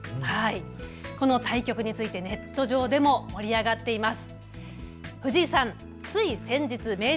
この対局についてネット上でも盛り上がっています。